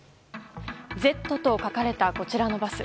「Ｚ」と書かれたこちらのバス。